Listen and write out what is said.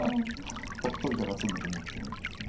ほっといたら詰むと思ってるんですね。